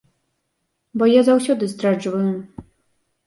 Бо я заўсёды здраджваю.